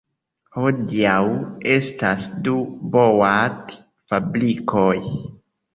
Hodiaŭ estas du boat-fabrikoj.